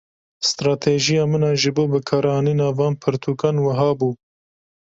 Stratejiya min a ji bo bikaranîna van pirtûkan wiha bû.